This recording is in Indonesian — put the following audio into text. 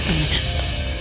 makan yang banyak rena